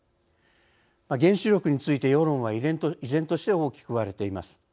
原子力について世論は依然として大きく割れています。